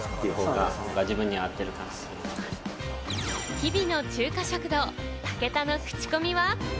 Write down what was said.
日々の中華食堂、武田のクチコミは？